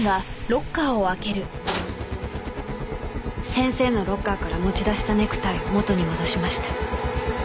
先生のロッカーから持ち出したネクタイを元に戻しました。